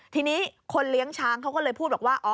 ทีนี้คนเลี้ยงช้างเขาก็เลยพูดบอกว่า